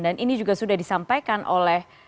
dan ini juga sudah disampaikan oleh